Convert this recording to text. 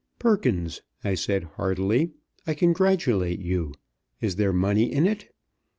"Perkins," I said heartily, "I congratulate you. Is there money in it?"